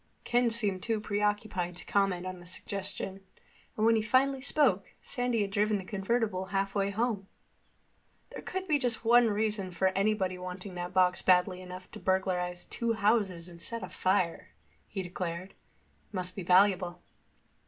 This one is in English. Ken seemed too preoccupied to comment on the suggestion, and when he finally spoke, Sandy had driven the convertible halfway home. "There could be just one reason for anybody wanting that box badly enough to burglarize two houses and set a fire," he declared. "It must be valuable."